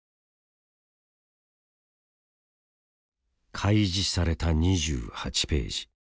開示された２８ページ。